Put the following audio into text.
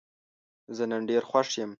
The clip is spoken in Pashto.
زه نن ډېر خوښ یم.